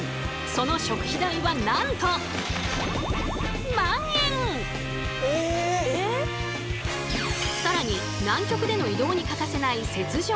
その食費代はなんと更に南極での移動に欠かせない雪上車。